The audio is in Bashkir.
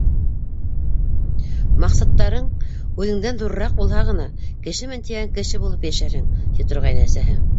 Маҡсаттарың үҙеңдән ҙурыраҡ булһа ғына кешемен тигән кеше булып йәшәрһең, ти торғайны әсәһе.